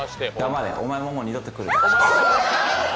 黙れ、お前もう二度と来るな。